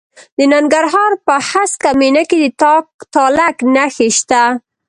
د ننګرهار په هسکه مینه کې د تالک نښې شته.